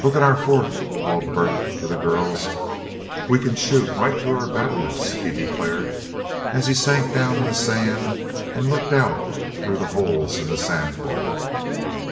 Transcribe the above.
"Look at our fort," called Bert to the girls. "We can shoot right through our battlements," he declared, as he sank down in the sand and looked out through the holes in the sand fort.